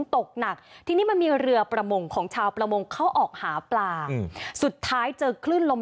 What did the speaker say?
ตกหนักทีนี้มันมีเรือประมงของชาวประมงเข้าออกหาปลาสุดท้ายเจอคลื่นลม